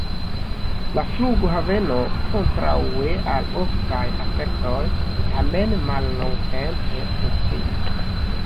La flughaveno, kontraŭe al oftaj asertoj, tamen mallongtempe funkciis.